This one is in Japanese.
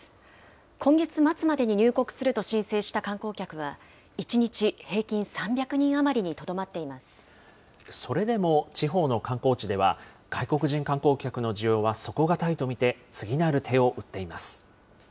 今月末までに入国すると申請した観光客は、１日平均３００人余りそれでも地方の観光地では、外国人観光客の需要は底堅いと見て、次なる手を打っています。